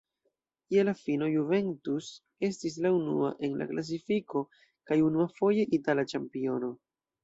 Je la fino Juventus estis la unua en la klasifiko kaj, unuafoje, itala ĉampiono.